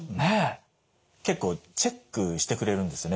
結構チェックしてくれるんですよね